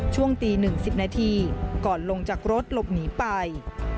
ช่วงตี๑๐นาทีก่อนลงจากรถหลบหนีไป